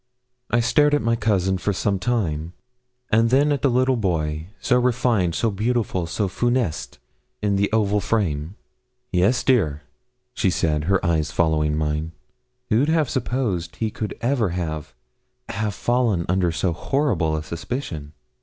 I stared at my cousin for some time, and then at the little boy, so refined, so beautiful, so funeste, in the oval frame. 'Yes, dear,' said she, her eyes following mine; 'who'd have supposed he could ever have have fallen under so horrible a suspicion?'